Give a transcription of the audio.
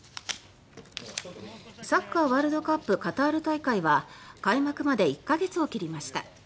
サッカーワールドカップカタール大会は開幕まで１か月を切りました。